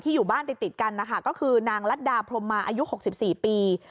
อยู่บ้านติดกันนะคะก็คือนางรัฐดาพรมมาอายุ๖๔ปี